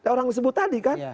orang disebut tadi kan